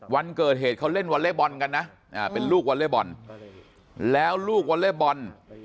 วันเกิดเหตุเขาเล่นวอเล็กบอลกันนะเป็นลูกวอเล่บอลแล้วลูกวอเล็บอล